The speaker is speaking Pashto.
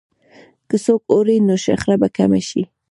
که څوک اوري، نو شخړه به کمه شي.